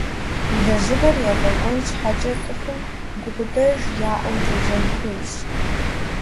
Лэжьыгъэр ефӀэкӀуэн щхьэкӀэ цӀыхум гукъыдэж яӀэу лэжьэн хуейщ.